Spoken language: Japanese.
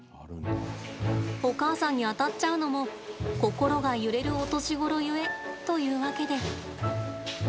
お母さんに当たっちゃうのも心が揺れるお年頃ゆえというわけで。